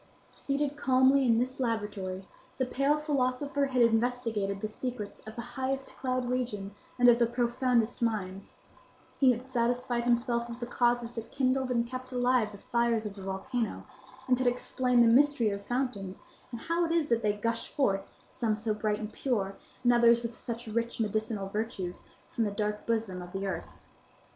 Seated calmly in this laboratory, the pale philosopher had investigated the secrets of the highest cloud region and of the profoundest mines; he had satisfied himself of the causes that kindled and kept alive the fires of the volcano; and had explained the mystery of fountains, and how it is that they gush forth, some so bright and pure, and others with such rich medicinal virtues, from the dark bosom of the earth.